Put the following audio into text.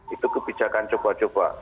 itu kebijakan coba coba